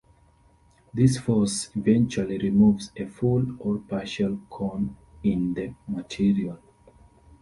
This force eventually removes a full or partial cone in the material.